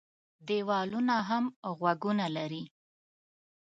ديوالونه هم غوږونه لري.